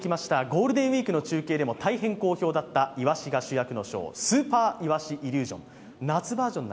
ゴールデンウイークの中継でも大変好評だったイワシのスーパーイワシイリュージョン。